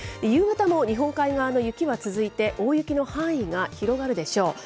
夕方も日本海側の雪は続いて、大雪の範囲が広がるでしょう。